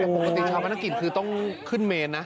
โอ้โฮปกติชาปนกิจคือต้องขึ้นเมนนะ